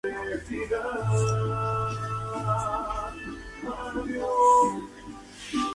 Debe exponerse a la amenaza de peligro inminente para superar su propio miedo.